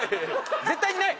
絶対にない！